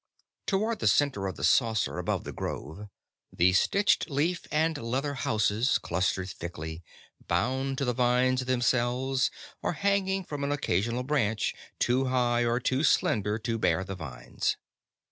Toward the center of the saucer above the grove, the stitched leaf and leather houses clustered thickly, bound to the vines themselves, or hanging from an occasional branch too high or too slender to bear the vines.